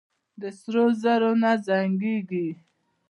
د سرو زرو نه زنګېږي.